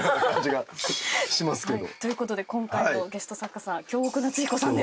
はいということで今回のゲスト作家さん京極夏彦さんです。